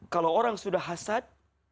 kalau orang sudah hasad